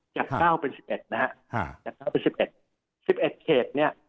จากเก้าเป็นสิบเอ็ดนะฮะอ่าจากเก้าเป็นสิบเอ็ดสิบเอ็ดเขตเนี่ย